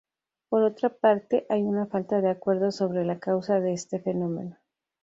Por otra parte, hay una falta de acuerdo sobre la causa de este fenómeno.